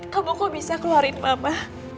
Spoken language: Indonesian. kamu kok bisa keluarin bapak